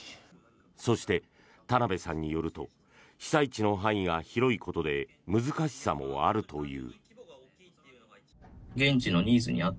そして、田邊さんによると被災地の範囲が広いことで難しさもあるという。